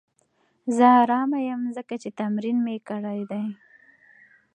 زه ارامه یم ځکه چې تمرین مې کړی دی.